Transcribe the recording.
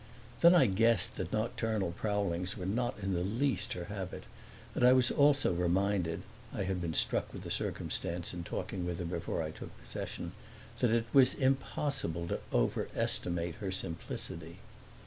Then I guessed that nocturnal prowlings were not in the least her habit, and I was also reminded (I had been struck with the circumstance in talking with her before I took possession) that it was impossible to overestimate her simplicity.